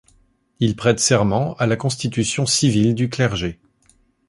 Il prête serment à la Constitution civile du clergé.